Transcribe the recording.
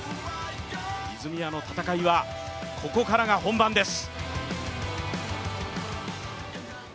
泉谷の戦いは、ここからが本番です。